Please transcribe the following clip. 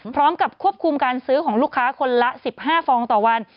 พร้อมกับควบคุมการซื้อของลูกค้าคนละ๑๕ฟองต่อวัน